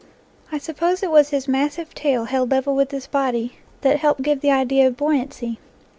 I suppose it was his massive tail held level with his body that helped give the idea of buoyancy.